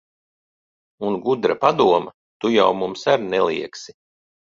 Un gudra padoma tu jau mums ar neliegsi.